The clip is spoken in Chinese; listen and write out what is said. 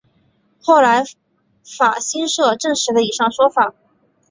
后来法新社证实了以上说法。